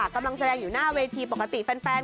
กำลังแสดงอยู่หน้าเวทีปกติแฟน